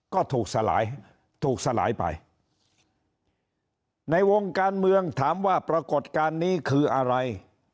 ก็ถูกสลายถูกสลายไปในวงการเมืองถามว่าปรากฏการณ์นี้คืออะไร